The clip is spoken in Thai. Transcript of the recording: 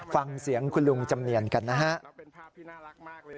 ฟังเสียงคุณลุงจำเนียนกันนะฮะ